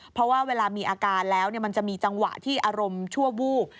เพราะว่าเวลามีอาการแล้วมันจะมีจังหวะที่อารมณ์ชั่ววูบ